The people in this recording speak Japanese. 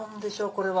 これは。